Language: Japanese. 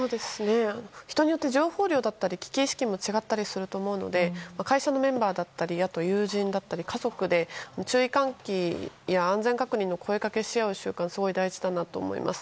人によって情報量や危機意識も違ったりすると思うので会社のメンバーであったり友人だったり家族で注意喚起や安全確認の声掛けをし合う習慣がすごい大事だと思います。